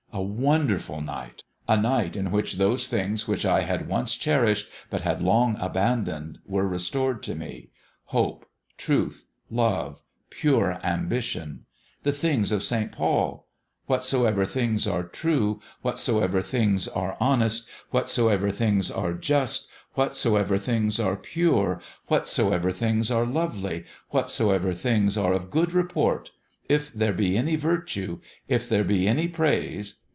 A wonderful night! a night in which those things which I had once cherished, but had long abandoned, were restored to me : hope, truth, love, pure ambition. The things of St. Paul :' Whatsoever things are true, whatso ever things are honest, whatsoever things are just, whatsoever things are pure, whatsoever things are lovely, whatsoever things are of good report : if there be any virtue, and if there be any praise.